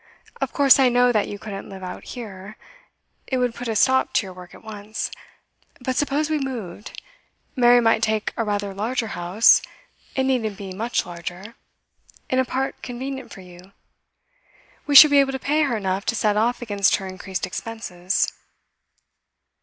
Of course I know that you couldn't live out here; it would put a stop to your work at once. But suppose we moved. Mary might take a rather larger house it needn't be much larger in a part convenient for you. We should be able to pay her enough to set off against her increased expenses.